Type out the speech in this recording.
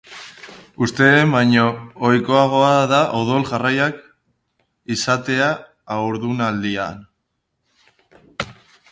Uste den baino ohikoagoa da odol-jarioak izatea haurdunaldian.